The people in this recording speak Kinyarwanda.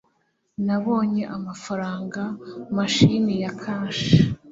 nabonye amafaranga mashini ya cash